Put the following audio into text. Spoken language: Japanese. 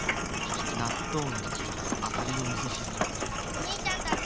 納豆にあさりのみそ汁おにいちゃんたち